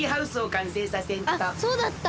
あっそうだった！